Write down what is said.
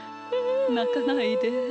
なかないで。